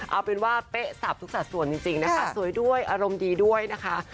เอาเป็นว่าเป๊ะสับทุกสัดส่วนจริงนะคะสวยด้วยอารมณ์ดีด้วยนะคะ